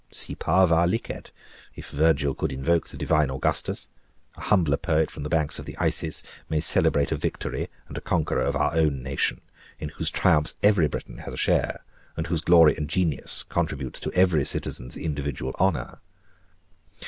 Si parva licet: if Virgil could invoke the divine Augustus, a humbler poet from the banks of the Isis may celebrate a victory and a conqueror of our own nation, in whose triumphs every Briton has a share, and whose glory and genius contributes to every citizen's individual honor.